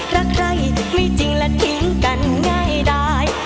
รักใครไม่จริงและทิ้งกันง่ายได้